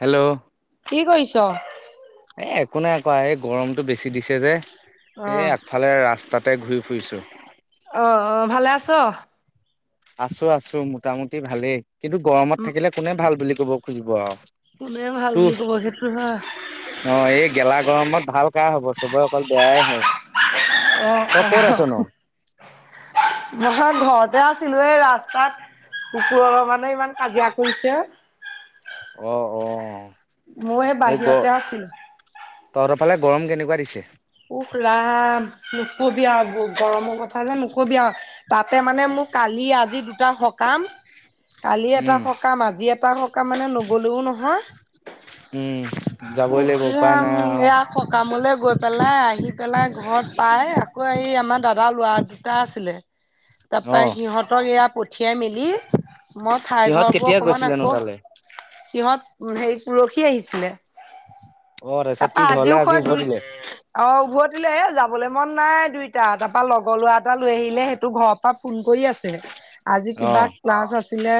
Hello কি কৰিছ'? এ একো নাই কৰা, এই গৰমটো বেছি দিছে যে অ'। এই অ', ইফালে ৰাস্তাতে ঘূৰি ফুৰিছোঁ। অ', অ', ভালে আছ? আছো আছো মোটামুটি ভালেই কিন্তু গৰমত উম, থাকিলে কোনে ভাল বুলি ক'ব খুজিব আৰু। কোনে ভাল তো বুলি কব সেইটো হয়। অ', এই গেলা গৰমত ভাল কাৰ হ'ব চবৰে অকল বেয়াই হয়। তই অ', ক'ত আছনো অ', [inaudible] নহয় ঘৰতে আছিলোঁ এই ৰাস্তাত কুকুৰৰ মানে ইমান কাজিয়া কৰিছে আৰু। অ', অ', মই সেই এই গ বাহিৰতে আছিলোঁ। তহঁতৰ ফালে গৰম কেনেকুৱা দিছে? উফ ৰাম নকবি আৰু ব গৰমৰ কথা যে নকবি আৰু। তাতে মানে মোক কালি আজি দুটা সকাম কালি এটা উম সকাম আজি এটা সকাম মানে নগলেও নহয়। উম যাবই উখ লাগিব উপায় ৰাম নাই আৰু এয়া সকামলে গৈ পেলাই আহি পেলাই ঘৰত পাই আকৌ আহি আমাৰ দাদাৰ লৰা দুটা আছিলে অ তাৰপা সিহঁতক এয়া পঠিয়াই মেলি মই ঠাই সিহঁত ঘৰ বোৰ কেতিয়া অকমান গৈছিলেনো আকৌ তালে সিহঁত হেৰি পৰহি আহিছিলে, অ তাৰপিছত কি তাৰপা ঘৰলে আজিও আজি হৈ দুই উভতিলে অ', উভতিলে যাবলৈ মন নাই দুইটা, তাৰপা লগৰ লৰা এটা লৈ আহিলে সেইটো ঘৰ পৰা ফোন কৰি আছে। আজি অ কিবা ক্লাছ আছিলে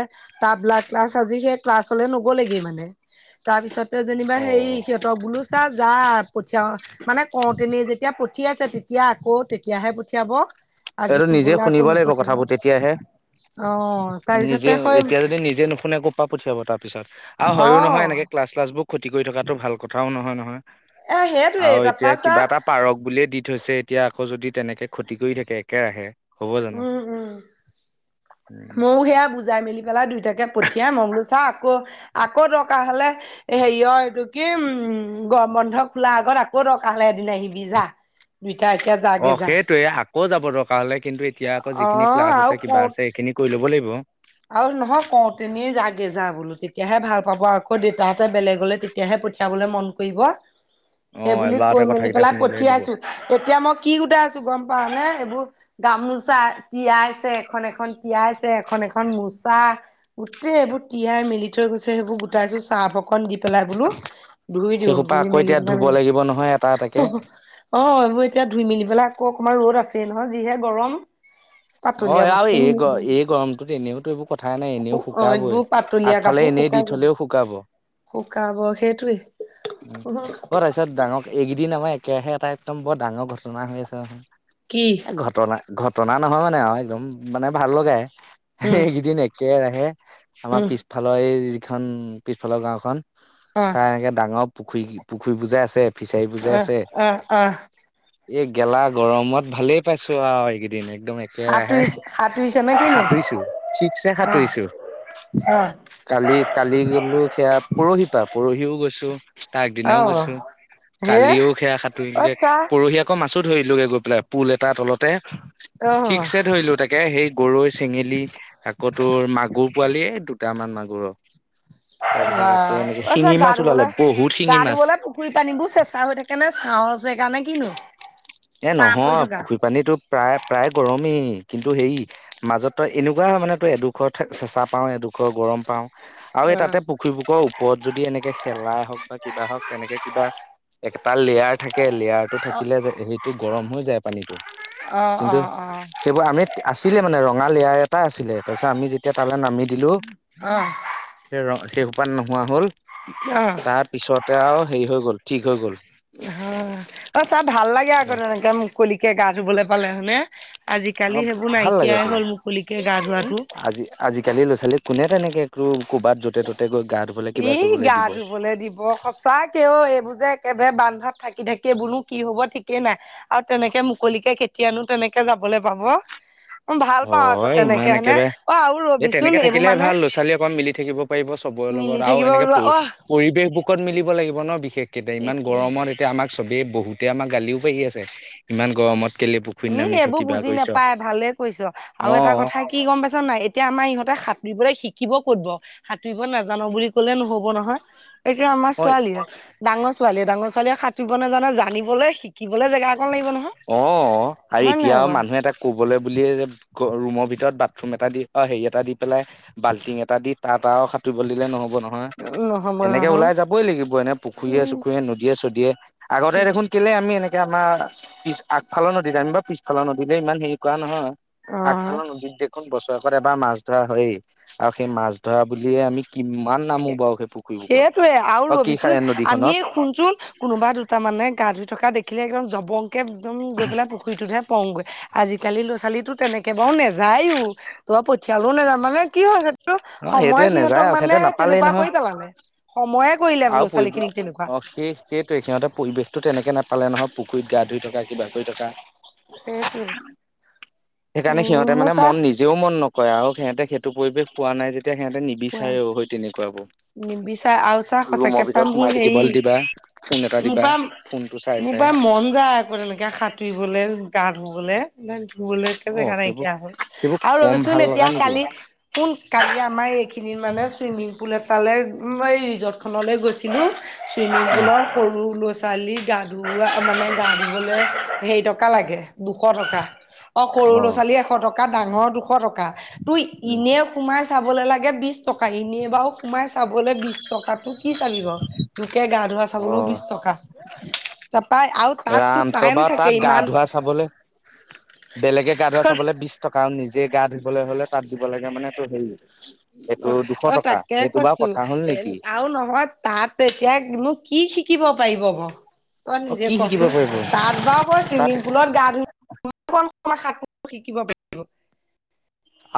তাবলা ক্লাছ আজি সেই ক্লাছলৈ নগলেগে মানে। তাৰ পিছতে যেনিবা অ হেৰি সিহঁতৰ বোলো চা যা পঠিয়াও মানে কওঁতে নি যেতিয়া পঠিয়াইছে তেতিয়া আকৌ তেতিয়াহে পঠিয়াব আজি এইটো নিজে নগ'লে আকৌ শুনিব লাগিব নপঠিয়াব কথাবোৰ তেতিয়াহে অ', নিজে তাৰপিছতে হয় এতিয়া যদি নিজে নুশুনে কপা পঠিয়াব তাৰ পিছত, আৰু অ হয়ো নহয় এনেকে ক্লাছ চ্লাছ বোৰ ক্ষতি কৰি থকাটো ভাল কথাও নহয় নহয়, এ সেইটোৱে আৰু তাৰপা এতিয়া চা কিবা এটা পাৰক বুলিয়ে দি থৈছে, এতিয়া আকৌ যদি তেনেকে ক্ষতি কৰি থাকে একেৰাহে হ'ব জানো উম, উম, উম, ময়ো সেয়া বুজাই মেলি পেলাই দুইটাকে পঠিয়াই, মই বোলো ছা আকৌ আকৌ দৰকাৰ হলে হেৰিয়ৰ এইটো কি উম, গৰম বন্ধ খোলা আগত আকৌ দৰকাৰ হলে এদিনা আহিবি জা দুইটা এতিয়া য অ', সেইটোয়ে আকৌ যাব দৰকাৰ হলে, কিন্তু এতিয়া আকৌ অ যিখিনি ক্লাছ আৰু আছে কিবা কওঁ আছে সেইখিনি কৰি ল'ব লাগিব। আৰু নহয় কওঁ তেনি যাগে যা বোলো তেতিয়াহে ভাল পাব আকৌ দেউতাহঁতে বেলেগলে তেতিয়াহে পঠিয়াবলৈ মন কৰিব [inaudible] সেই বুলি এবাৰতে কৈ মেলি কথাকেইটা পেলাই শুনিলে দিব পঠিয়াইছো, এতিয়া মই কি গোটাই আছোঁ গম পাৱ নে এইবোৰ গামোচা তিয়াইছে এখন, এখন তিয়াইছে এখন এখন মোচা। গোটেই এইবোৰ তিয়াই মেলি থৈ গৈছে সেইবোৰ গোটাইছোঁ ছাৰ্ফ অকণ দি পেলাই বুলু। ধুই দিওঁ সেইসোপা ধুই আকৌ মেলি এতিয়া ধুব পেলাই। লাগিব নহয় এটা এটাকে [unintelligible] অ এইবোৰ এতিয়া ধুই মেলি পেলাই আকৌ অকমান ৰ'দ আছেই নহয় যিহে গৰম। অ পাতলীয়া আৰু বস্তু এই, এই গৰমটোত এনেইতো এইবোৰ। কথাই নাই এনেও অ শুকাৱই এইবোৰ পাতলীয়া আগফালে এনেই দি থলেও শুকাৱ। শুকাৱ সেইটোৱে। উম [unintelligible] তাৰপিছত ডাঙৰ এইকেইদিন আমাৰ একেৰাহে এটা একদম বৰ ডাঙৰ ঘটনা হৈ আছে নহয়। কি। ঘটনা, ঘটনা নহয় মানে আৰু একদম মানে ভাল লগাই। উম এইকেইদিন একেৰাহে আমাৰ উম পিছফালৰ এই যিখন পিছফালৰ গাওঁ খন। আহ তাৰ এনেকে ডাঙৰ পুখুৰী পুখুৰী বোৰযে আছে। ফিচাৰি বোৰযে আহ আছে। আহ আহ এই গেলা গৰমত ভালেই পাইছোঁ আৰু এইকেইদিন। একদম একেৰাহে সাঁতুৰিছে সাঁতুৰিছে নে কিনো? সাঁতুৰিছো ঠিকছে সাঁতুৰিছো। কালি-কালি গ'লো সেয়া পৰহি পৰা পৰহিও গৈছোঁ। তাৰ আগদিনাও অ', গৈছোঁ হে কালিও সেয়া সাঁতুৰিলোগে অচ্ছা পৰহিও আক আকৌ মাছো ধৰিলোগে গৈ পেলাই পুল এটাৰ তলতে অ', ঠিকছে ধৰিলোঁ তাক তাকে সেই গৰৈ, চেঙেলী আকৌ তোৰ মাগুৰ পোৱালি এ দুটামান মাগুৰৰ। বা অই তই গা মাছ ওলালে ধুৱলে। বহুত গা শিঙি মাছ ধুৱলৈ পুখুৰীৰ পানীবোৰ চেঁচা হৈ থাকে নে চাওঁ জেগানে কিনো। এ, ছাঁ পৰি নহয় থকা পুখুৰী পানী তোৰ প্ৰায়-প্ৰায় গৰমেই কিন্তু হেৰি। মাজত তই এনেকুৱা হয় মানে তই এডোখৰ চেঁচা পাওঁ, এডোখৰ গৰম পাওঁ আৰু এই অ', তাতে পুখু পুখুৰী [unintelligible] ওপৰত যদি এনেকে শেলাই হওঁক বা কিবা হওঁক, তেনেকে কিবা এক তাৰ লেয়াৰ থাকে লেয়াৰটো থাকিলে যে সেইটো গৰম হৈ যায় পানীটো অ', কিন্তু। অ', অ', সেইবোৰ আমিত আছিলে মানে ৰঙা লেয়াৰ এটা আছিলে। তাৰপিছত আমি যেতিয়া তালৈ নামি দিলোঁ অ', সেই ৰ সেই সোপা নোহোৱা হ'ল। [unintelligible] তাৰপিছতে আৰু হেৰি হৈ গ'ল, ঠিক হৈ গ'ল। হা অই চা ভাল লাগে আকৌ তেনেকে মুকলিকে গা ধুৱলৈ পালে হয়নে। আজিকালি অ সেইবোৰ ভাল লাগে নাইকিয়াই তো হ'ল মুকলিকে গা ধোৱাটো। আজি আজিকালি ল'ৰা-ছোৱালী কোনে তেনেকৈ একো ক'বাত য'তে ত'তে গৈ। গা ধুবলৈ কিবা ই', কৰিবলৈ গা দিব ধুৱলে দিব। সঁচাকে অ এইবোৰ যে একেবাৰে বান্ধত থাকি-থাকি বুলো কি হ'ব ঠিকে নাই। আৰু তেনেকে মুকলিকে কেতিয়ানো তেনেকে যাবলৈ পাব। ভাল পাওঁ আকৌ হয়, তেনেকে ইমান হয়নে একেবাৰে অ আৰু এই ৰবিচোন তেনেকে এইবোৰ থাকিলেহে মানে ভাল ল'ৰা-ছোৱালী অকণ মিলি থাকিব পাৰিব। চবৰে মিলি লগত আৰু থাকিব এনেকে পাৰিব অহ পৰি-পৰিবেশ বুকত মিলিব লাগিব নহ বিশেষকেইটা ইমান সেইটোৱে গৰমত। ‌ আমাক চবেই বহুতে আমাৰ গালিও পাৰি আছে ইমান গৰমত কেলে পুখ ই', এইবোৰ বুজি নাপাই ভালে কৈছোঁ, আৰু অ এটা কথা কি গ'ম পাইছোঁ নে নাই এতিয়া আমাৰ ইহঁতে সাত ৰিবলৈ শিকিব ক'ত বাৰু সাঁতুৰিব নাজানো বুলি ক'লে নহ'ব নহয়। একে আমাৰ অ ছোৱালীয়ে। ডাঙৰ ছোৱালীয়ে, ডাঙৰ ছোৱালীয়ে সাঁতুৰিব নেজানে জানিবলৈ শিকিবলৈ জেগা অকণ লাগিব নহয়। অ', আৰু হয় নে নহয় এতিয়াও বাৰু মানুহ এটা। ক'বলৈ বুলিয়ে যে ৰুমৰ ভিতৰত বাথৰুম এটা দি অ, হেৰি এটা দি পেলাই। বাল্টিং এটা দি তাত আৰু সাঁতুৰিবলৈ দিলে নহ'ব নহ। [unintelligible] নহ'ব এনেকে নহয় ওলাই যাবই লাগিব এনে উম পুখুৰীয়ে-চুখুৰীয়ে, নদীয়ে-চদিয়ে। আগতে দেখোন কেলে আমি এনেকে আমাৰ। পিছ আগফালৰ নদীত আমি বা পিছফালৰ নদীলৈ ইমান হেৰি কৰা নহয়, অ'। আগফালৰ নদীত দেখ এখন বছৰেকত এবাৰ মাছ ধৰা হয়েই। আৰু সেই মাছ ধৰা বুলিয়ে, আমি কিমান নামো বাৰু সেই পুখুৰী বুকত। অ', কি খাই নদীখনত খুচুৰ কোনোবা দুটা মানে গা ধুই থকা দেখিলে, একদম জবংকে একদম গৈ পেলাই পুখুৰীটোতহে পংগৈ আজিকালি ল'ৰা-ছোৱালীটো তেনেকে বাৰও নেযায়ও, তো, পঠিয়ালেও নাযা মানে কি হয় সহ অ সময় সেইটোৱে নেযায় সিহঁতক আৰু মানে সিহঁতে নাপালেই তেনেকুৱা নহয়। কৰি পেলালে সময়ে কৰিলে বোলো ছোৱালীখিনিক তেনেকুৱা। সেইোৱে সিহঁতে পৰিৱেশতো তেনেকে নাপালে নহয়। পুখুৰীত গা ধুই থকা কিবা কৰি থকা। সেইটোৱে সেইকাৰণে উম সিহঁতে মোৰ মানে চা মন নিজ নিেও মন নকৰে, আৰু সিহঁতে সেইটো পৰিৱেশ পোৱা নাই যেতিয়া সিহঁতে নিবিচাৰেও সেই তেনেকুৱাবোৰ নিবিচাৰে আৰু চা ৰুমৰ সচাকে ভিতৰত পৰাাৰ সোমাই মোৰ হেৰি থাকিবলৈ দিবা ফোন এটা মোৰ দিবা। পৰা ফোনটো চাই মোৰ চাই পৰায় মন যায় আকৌ তেনেকে সাঁতুৰিবলে, গা ধুবলে ধবলৈকে অ জেগা সেইবোৰ নাইকিয়া হল। সেইবোৰ ‌ আৰু কম ভাল ৰবচোন লগা এতিয়া নেকি কালি কোন কালি আমাৰ এইখিনিত মানে ছুইমিং পুল এটালৈ এই ৰিজৰ্টখনলৈ গৈছিলোঁ চুইমিং ন পুলৰ সৰু ল ছোৱালী গা ধু মানে গা ধুবলৈ হেৰি টকা লাগে দুশ টকা অ সৰু ল'ৰা ছোৱালী এশ টকা ডাঙৰ দুশ টকা ত উম। এনে সোমাই চাবলৈ লাগে বিশ টকা এনেই বাৰু সোমাই চাবলৈ বিশ টকাাতটো কি চাবি বাৰ লোকে গা ধোৱা চাবলৈও বিশ টকা তাৰপা আৰু তাততো ৰামটো টাইম বাৰু থাকে তাত গা ইমান ধোৱা চাবলৈ বেলেগে গা ধোৱা চাবলৈ বিশ টকা আৰু নিজে গা ধুবলৈ হলে তাত দিব লাগে মানে এইটো হেৰি এইটো দুশ টকা সেইটো বাৰু কথা হ'ল নেকি আৰুও নহয় তাত এতিয়া কিন্তু কি শিকিব পাৰিব বাৰ তই অ নিজে কি শিকিব কচোন পাৰিব তাত বাৰু কই তাত চুইমিং পুলত গা ধু শাক শিকিব পাৰিব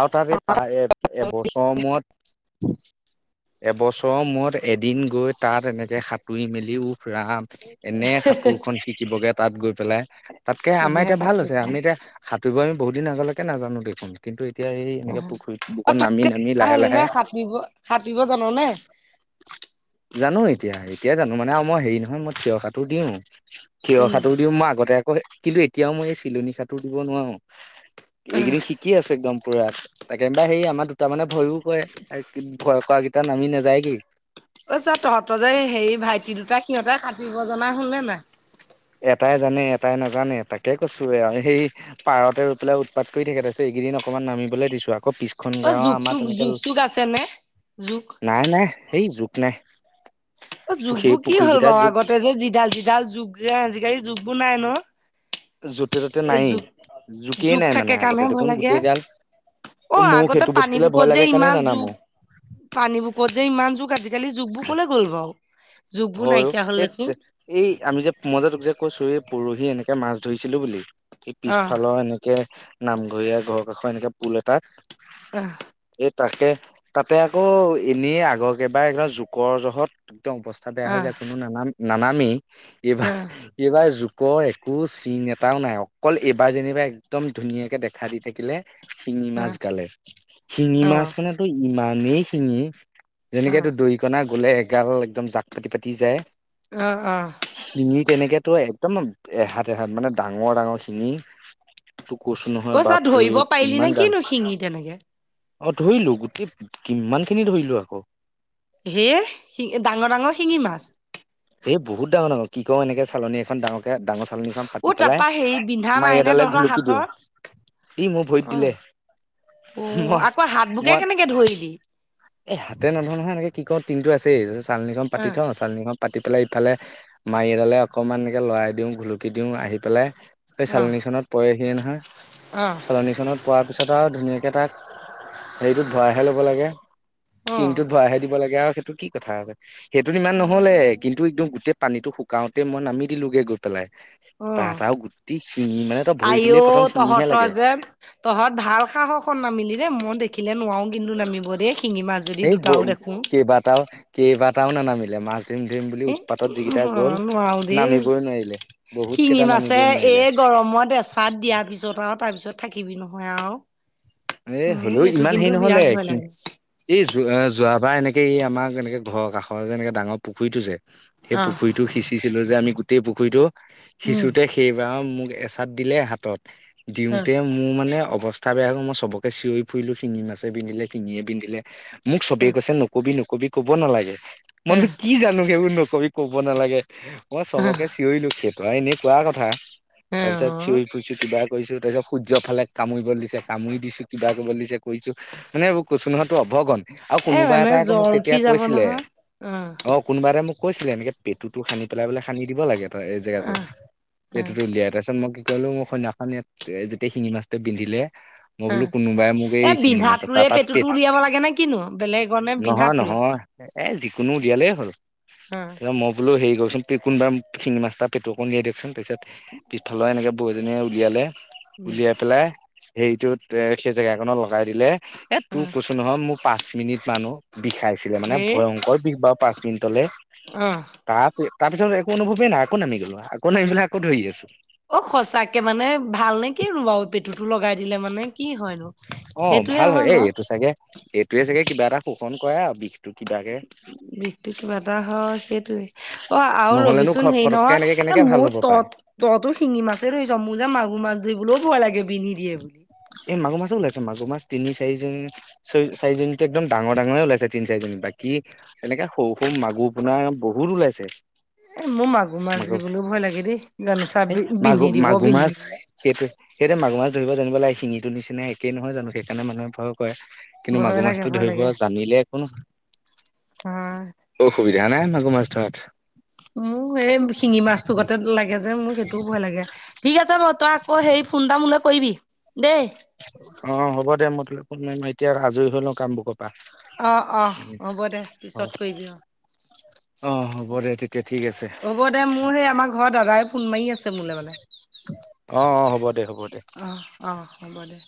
আৰু তাৰে এই প এ এবছৰ মূৰত [inaudible] এবছৰৰ মূৰত এদিন গৈ তাত এনেকৈ সাঁতুৰি মেলি উফৰাম এনেই সাঁতোৰখন শিকিবগে তাত গৈ পেলাই তাতকে আমাৰ এনে এতিয়া ভাল হৈছে আমি সাঁতুৰিব এতিয়া সাঁুব আি বহুত দিন আগলৈকে নাজানো দেখোন কিন্তু এতিয়া এই এনেকে পুখুৰী বুকত নামি নামি লাহে লাহে খাটিব জাননেে জানো এতিয়া এতিয়াই জানো মানে আৰু মই হেৰি নহয় মই থঠিয় খো দিওঁ থিয় উম খটোো দিও মই আগতে কিন্তু এতিয়াও মই এই চিলনী সতোৰ দিব নোৱাৰো এইকিনি কি আছো একদম পুৰা তাকেনবা হেৰি আমাৰ দুটা মানে ভয়ও কৰে ভয় কৰা কটা নমি না যায়গি পছা তহঁতৰ যে হেৰি ভাইটি দুটা সিহঁতে কাটিব জনা শুনেে নাই এটাই জানে এটাই নাজানে তাকে কৈছো আৰু সেই পাৰতে ৰই পেলাই উৎপাত কৰি থাকে ত আ এইকেইদিন অকমান নামিবলৈ দিছো আকৌিছ অ জুোক চোক জোক চুোক আছে নে জুোক নাই নাই সেই যখ নাই অ যুগ সেই বোৰ কি হ'ল পুখুৰীকেইটাত বাৰু জোক আগতে যে যিডাল যিডাল যুগ যে আজিকালি যুগ বোৰ নাই ন য'তে ত'তে এ জ নায়েই জোকেই জুোক নাই মানে থাকে আগতে কামহে ভয় দেখোন লাগে গোটেই গাল অ মোৰ আগতে সেইটো পানী বস্তুলে ভয় বুকত যে লাগে কাৰণে ইমান নানামো জুগ পানী বুকত যে ইমান জুখ আজিকালি জুগবোৰ কলে গ'ল বাৰু জুোগবোৰ হয় অ', নাইকিয়া হ'ল এই দেখোন এই আমি যে মজাতোক যে কৈছো এই পৰহি এনেকে মাছ ধৰিছিলো বুলি সেই আহ পিছফালৰ এনেকে নামঘৰীয়া ঘৰৰ কাষৰ এনেকে পুল এটাত উ এই তাকে তাতে আকৌ এনেই আগৰকেবাৰ একদম জোকৰ জহত একদম অৱস্থা বেয়া হৈ আহ যায় কোনো নানাম নানামেই এইবাৰ আহ এইবাৰ জুপৰ একো চিন এটাও নাই অকল এইবাৰ যেনিবা একদম ধুনীয়াকে দেখা দি থাকিলে শিঙি মাছ আহ গালে শিঙি মাছ আহ মানে তো ইমানেই শিঙি আহ যেনেকটো দৰিকনাা গলে এগাল একদম জাক পাতি পাতি যায় অ অ শিঙি তেনেকেতো একদম এহাত এহাত মানে ডাঙৰ ডাঙৰ শিঙি তোৰ কৈছো অ নহয় চা ধৰিব বাপৰেৰে পাৰিলি নে কিমান গাল কিনো শিঙি তেনেকে অ ধৰিলো গোটেই কিমান খিনি ধৰিলো আকৌ হে শিঙ ডাঙৰ ডাঙৰ শিঙি মাছ সেই বহুত ডাঙৰ ডঙৰ কি কওঁ এনেকে চালনী এখন ডাঙকে ডাঙৰ চালনীখন অ পাতি পেলাই তাৰপা হেৰি বিন্ধা মায়ী নাই নে এডালে তহঁতৰ ঘুলুকি দিওঁ হাতত ই মোক ভৰিত দিলে উ মই আকৌ হাত বোকে কেনেকে ধৰিলি এ হাতে নধ নহয় এনেকে কি ক তিন্তটো আছে চালননিখন পাতি আহ থওঁ চালনিখনম পাতি পেলাই ইফালে মাৰি এডালে অকণমান এনেকে লৰাই দিওঁ ঘুলুকি দিওঁ আহি পেলাই এই অহ চালনীখনত পৰেহিয়ে নহয় অহ চালনীখনত। পোৱাৰ পিছত আৰু ধুনীয়াকৈ তাক হেৰিটোত ভৰাইহে ল'ব লাগে টিংটোত ভৰাইহে দিব লাগে আৰু সেইটো কি কথা আছে সেইটোত ইমান নহ'লে কিন্তু একদম অহ গোটেই পানীটো শু গাওঁতে মই নামি দিলোগে গৈ পেলাই অহ তাত আৰু গোটেই শিঙি মানে তই ভৰি আইও দিলেই প্ৰথম শিঙিহে তহঁতৰ লাগে যে তহঁত ভাল সাহসত নামিলি দেই মই দেখিলে নোৱাৰোঁ। কিন্তু নামিব দেই শিঙি মাছ যদি এই দুটাও দেখো কেইবাটাও। কেইবাটাও নানামিলে মাছ। জিম জিম বুলি এ উৎপাতত যিকেইটা গ'ল অ', নোৱাৰো দেই নামিবই নোৱাৰিলে বহুত শিঙি কেইটা মাছে নামিবই নোৱাৰিলে। এই গৰমত এচাত দিয়াৰ পিছত আৰু তাৰপিছত থাকিবি নহয় আৰু। এ মোৰ হ'লেও সেইটো ইমান হেৰি কিন্তু নহ'লে বিৰাট ভয় এখিনি। লাগে এই যোৱা যোৱাবাৰ এনেকে এই আমাক এনেকে ঘৰৰ কাষৰ যে এনেকে ডাঙৰ পুখুৰীতটো যে। সেই অহ পুখুৰীতটো সিঁচিছিলো যে আমি গোটেই পুখুৰীতটো উম সিঁচোতে সেইবাৰ মোক এচাত দিলে হাতত অহ দিওঁতে মোৰ মানে অৱস্থা বেয়া হ'ল মই চবকে চিঞৰি ফুৰিলো শিঙি মাছে বিন্ধিলে শিঙিয়ে বিন্ধিলে মোক চবে অহ কৈছে নকবি নকবি। ক'ব নালাগে মইনো অহ কি জানো সেইবোৰ নকবি ক'ব নালাগে মই চবকে চিঞৰিলো সেটো আৰু এনে কোৱা কথা তাৰ অহ পিছত অহ চিঞৰি ফুৰিছো কিবা কৰিছো তাৰ পিছত সূৰ্য ফালে কামুৰিব দিছে কামুৰি দিছো। কিবা কৰিবলে দিছে কৰিছো মানে এইবোৰ কৈছো নহয় অবগন আৰু এ কোনোবা মানে এটাই আকৌ মোক জ্বৰ উঠি তেতিয়া যাব কৈছিলে নহয় অহ অ কোনোবা এটাই মোক কৈছিলে এনেকৈ পেটটো সানি পেলাই সানি দিব লাগে ত এই জেগাটো অহ অহ পেটু উলিয়াই তাৰপাছত মই কি ক'লো মই সেদিনাখনি যেতিয়া শিঙি মাছটো বিন্ধিলে মই অহ বোলো কোনোবাই মোক এ এই শিঙি মাছৰ বিন্ধাটোৰে তাৰপৰা পেটুটো পেটু উলিয়াব লাগে নে কিনো বেলেগৰ নে নহয় বিন্ধাটোৰে নহয় এ যিকোনো উলিয়ালেই হ'ল অ। ত মই বোলো হেৰি কৰছোন কোনবাৰ শিঙি মাছটা পেটু অকণ দিয়াই দিয়কচোন পিছত পিছফালৰ এনেকে বৌজনীয়ে উলিয়ালে উম উলিয়াই পেলাই হেৰিটোত সেই জেগা কণত লগাই দিলে এ অ তোৰ কৈছোঁ নহয় মোৰ পাঁচ মিনিট মান অ বিষাইছিলে মানে হে ভয়ংকৰ বিষ বাৰ পাঁচ মিনিটলৈ অ। তাৰ তাৰ পিছত একো অনুভৱেই নাই আকৌ নামি গ'লো আকৌ নামি পেলাই আকৌ ধৰি আছোঁ। অ সঁচাকে মানে ভাল নে কিনো বাৰু পেটুতটো লগাই দিলে মানে কি হয়নো অ সেইটোয়ে ভাল হয় ন এই এইটো চাগে এইটোৱে চাগে কিবা এটা শোষণ কৰে আৰু বিষটো কিবাকে বিষটো কিবা এটা হয় সেইটোয়ে অ', আৰু নহলেনো ঘ ৰবিচোন হেৰি ফটককে নহয়, এনেকে এই কেনেকে ভাল মোৰ হ'ব পাৰে ত' তইতো শিঙি মাছেই ধৰিছ, মোৰ যে মাগুৰ মাছ ধৰিবলেও ভয় লাগে বিন্ধি দিয়ে বুলি। এই মাগুৰ মাছো ওলাইছে, মাগুৰ মাছ তিনি চাৰিজনী চ চাৰিজনী একদম ডাঙৰ ডাঙৰে ওলাইছে তিনি চাৰিজনী বাকী এনেকে সৰু সৰু মাগুৰ পোনাৰ বহুত ওলাইছে। এ মোৰ মাগুৰ মাছ ধৰিবলেও ভয় লাগে দেই জানোচা বিন্ধি দিব বিন্ধি সেইটোৱে সেইটোৱে মাগুৰ মাছ ধৰিব জানিব লাগে শিঙিটোৰ নিচিনা একেই নহয় জানো সেইকাৰণে মানুহে ভয় কৰে কিন্তু ভয় মাগুৰ লাগে মাছটো ভয় ধৰিব লাগে জানিলে একো নহয়। হয় অসুবিধা নাই মাগুৰ মাছ ধৰাত। মোৰ এই শিঙি মাছটো গতে লাগে যে মোৰ সেইটোও ভয় লাগে। ঠিক আছে বাৰু তই আকৌ হেৰি ফোন এটা মোলৈ কৰিবি দেই। অ', হ'ব দে মই তোলে ফোন মাৰিম, এতিয়া আজৰি হৈ লওঁ কামবোৰ বাহ অ', অ', হ'ব দে পিছত কৰিবি আৰু। অ', হ'ব দে তেতিয়া ঠিক আছে। হ'ব দে মোৰ সেই আমাৰ ঘৰৰ দাদাই ফোন মাৰি আছে মোলৈ মানে। অ', অ', হ'ব দে হ'ব। দে। অ', অ', হ'ব দে।